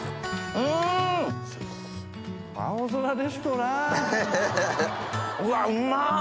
うわうま！